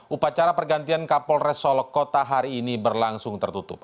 upacara pergantian kapolres solokota hari ini berlangsung tertutup